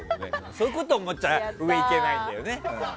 そういうことを言ったら上にいけないんだよね。